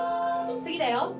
次だよ。